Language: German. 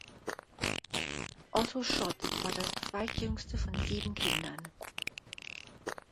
Otto Schott war das zweitjüngste von sieben Kindern.